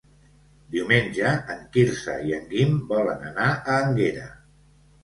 Diumenge en Quirze i en Guim volen anar a Énguera.